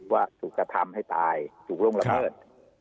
ว่าถูกกระทำให้ตายถูกล่วงละเมิด